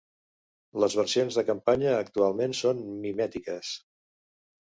Les versions de campanya actualment són mimètiques.